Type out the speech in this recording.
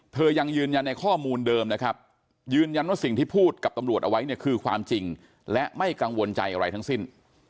ยังยืนยันในข้อมูลเดิมนะครับยืนยันว่าสิ่งที่พูดกับตำรวจเอาไว้เนี่ยคือความจริงและไม่กังวลใจอะไรทั้งสิ้น